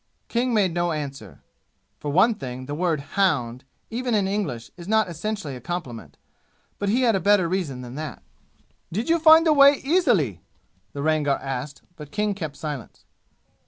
King made no answer. For one thing, the word "hound," even in English, is not essentially a compliment. But he had a better reason than that. "Did you find the way easily?" the Rangar asked but King kept silence.